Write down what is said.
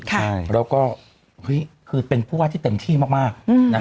ใช่แล้วก็คือเป็นผู้ว่าที่เต็มที่มาก